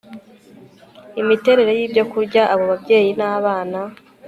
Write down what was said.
Imiterere yibyokurya abo babyeyi nabana